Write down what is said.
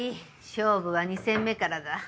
勝負は２戦目からだ。